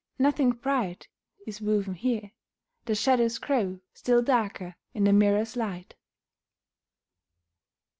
Nothing bright Is woven here: the shadows grow Still darker in the mirror's light!